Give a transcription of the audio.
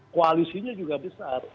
koalisinya juga besar